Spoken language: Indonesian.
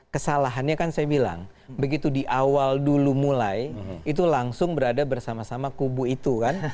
kesalahannya kan saya bilang begitu di awal dulu mulai itu langsung berada bersama sama kubu itu kan